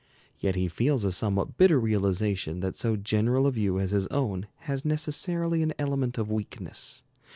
Yet he feels a somewhat bitter realization that so general a view as his own has necessarily an element of weakness.